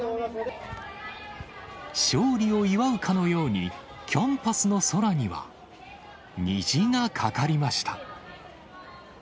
勝利を祝うかのように、キャンパスの空には虹が架かりました。